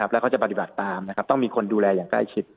แล้วเขาจะปฏิบัติตามต้องมีคนดูแลอย่างใกล้ชิด